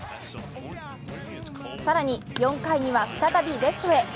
更に４回には再びレフトへ。